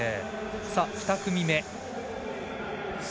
２組目。